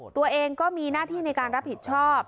ตัวเองก็มีหน้าที่ในการรับผิดชอบ